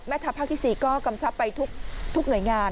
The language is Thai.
ทัพภาคที่๔ก็กำชับไปทุกหน่วยงาน